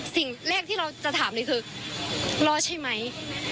สิ่งแรกที่เราจะถามเลยคือรอดใช่ไหม